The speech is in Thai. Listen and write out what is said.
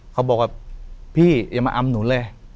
เขาบอกว่าพี่อย่ามาอำหนูเลย